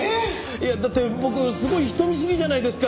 いやだって僕すごい人見知りじゃないですか。